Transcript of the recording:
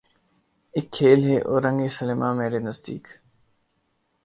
اک کھیل ہے اورنگ سلیماں مرے نزدیک